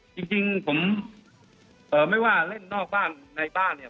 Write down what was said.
จริงผมไม่ว่าเล่นนอกบ้านในบ้านเนี่ย